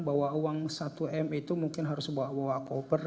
bawa uang satu m itu mungkin harus bawa bawa koper